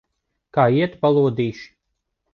Kā iet, balodīši?